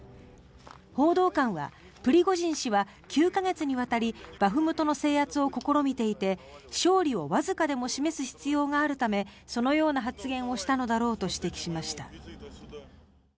報道官はプリゴジン氏は９か月にわたりバフムトの制圧を試みていて勝利をわずかでも示す必要があるためそのような発言をしたのだろうと指摘しました。